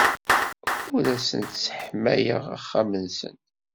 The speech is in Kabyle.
Ur asent-sseḥmayeɣ axxam-nsent.